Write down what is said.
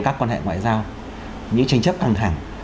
các quan hệ ngoại giao những tranh chấp căng thẳng